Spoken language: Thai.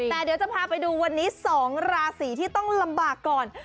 แต่เดี๋ยวจะพาไปดูวันนี้๒ราศีที่ต้องลำบากก่อน